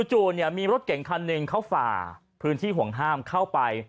จู่มีรถเก่งคันหนึ่งเขาฝ่าพื้นที่ห่วงห้ามเข้าไป